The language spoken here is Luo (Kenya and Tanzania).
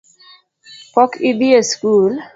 Pok idhi e sikul